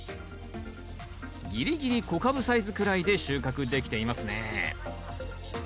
ぎりぎり小カブサイズくらいで収穫できていますね。